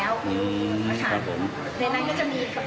ในนั้นก็จะมีกระเป๋าสุดทางทุกอย่าง